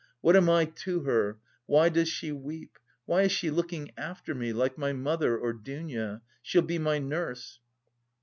"What am I to her? Why does she weep? Why is she looking after me, like my mother or Dounia? She'll be my nurse."